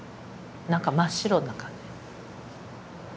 何か真っ白な感じ。